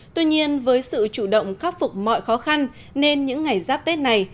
tuy nhiên với sự chủ động khắc phục mọi khó khăn nên những ngày giáp tết này